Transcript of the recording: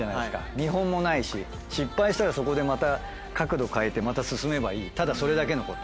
見本もないし失敗したらそこでまた角度変えてまた進めばいいただそれだけのこと。